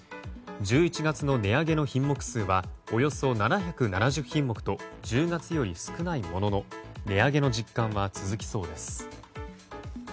１１月の値上げの品目数はおよそ７７０品目と１０月より少ないものの値上げの実感は続きそうです。